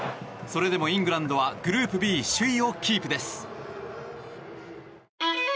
それでもイングランドはグループＢ首位をキープです。